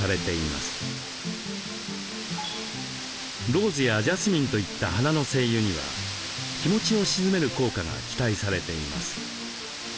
ローズやジャスミンといった花の精油には気持ちを静める効果が期待されています。